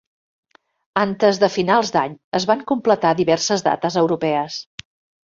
Antes de finals d"any es van completar diverses dates europees.